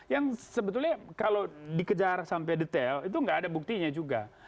yang sebetulnya kalau dikejar sampai detail itu nggak ada buktinya juga